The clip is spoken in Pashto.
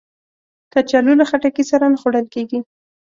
کچالو له خټکی سره نه خوړل کېږي